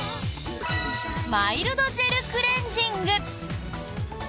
マイルドジェルクレンジング。